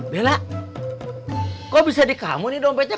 bella kok bisa di kamu nih dompetnya